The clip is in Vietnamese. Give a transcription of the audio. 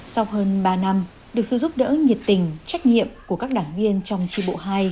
sau hơn ba năm được sự giúp đỡ nhiệt tình trách nhiệm của các đảng viên trong tri bộ hai